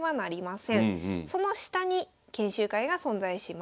その下に研修会が存在します。